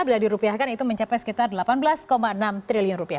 bila dirupiahkan itu mencapai sekitar delapan belas enam triliun rupiah